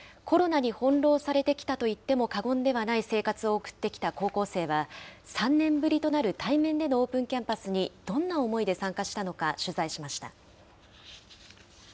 コロナに翻弄されてきたといっても過言ではない生活を送ってきた高校生は、３年ぶりとなる対面でのオープンキャンパスにどんな思いで参加したのか取材しました。